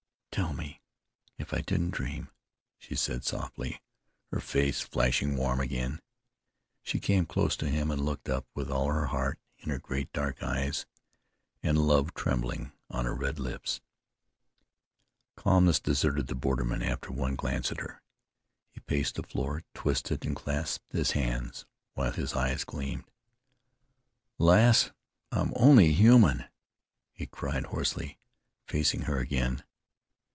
"Tell me, if I didn't dream," she said softly, her face flashing warm again. She came close to him and looked up with all her heart in her great dark eyes, and love trembling on her red lips. Calmness deserted the borderman after one glance at her. He paced the floor; twisted and clasped his hands while his eyes gleamed. "Lass, I'm only human," he cried hoarsely, facing her again.